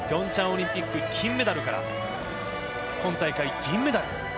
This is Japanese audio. ピョンチャンオリンピック金メダルから今大会、銀メダル。